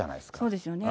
そうですよね。